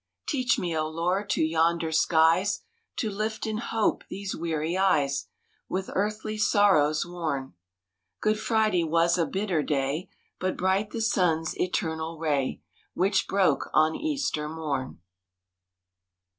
Teach me, O Lord, to yonder skies To lift in hope these weary eyes With earthly sorrows worn. Good Friday was a bitter day, But bright the sun's eternal ray Which broke on Easter morn.